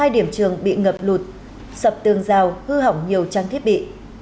hai điểm trường bị ngập lụt sập tường rào hư hỏng nhiều trang thiết bị